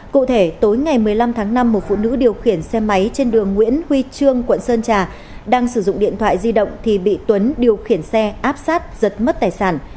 cụ thể tối ngày một mươi năm tháng năm một phụ nữ điều khiển xe máy trên đường nguyễn huy trương quận sơn trà đang sử dụng điện thoại di động thì bị tuấn điều khiển xe áp sát giật mất tài sản